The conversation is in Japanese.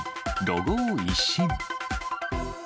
ロゴを一新。